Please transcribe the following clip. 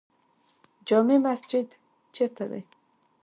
جامع مسجد چیرته دی؟